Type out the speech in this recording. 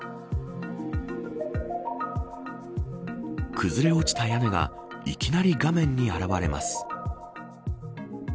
崩れ落ちた屋根がいきなり画面に現れます。